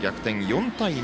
４対２。